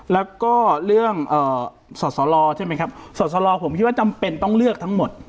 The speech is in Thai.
แล้วก็เรื่องสอสลใช่ไหมครับสอสลผมคิดว่าจำเป็นต้องเลือกทั้งหมด